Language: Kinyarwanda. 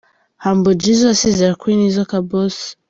Humble Jizzo asezera kuri Nizzo Kaboss.